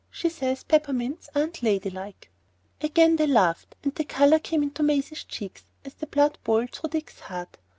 She says peppermints aren't ladylike." Again they laughed, and again the colour came into Maisie's cheeks as the blood boiled through Dick's heart.